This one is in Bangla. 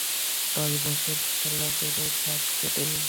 দশ বছর খেলা করেও সাধ মেটেনি?